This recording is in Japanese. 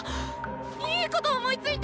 いいこと思いついた！